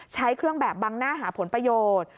ใช้เครื่องแบบบังหน้าหาผลประโยชน์